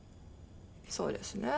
そうですね。